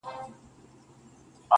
ښاماري زلفو يې په زړونو باندې زهر سيندل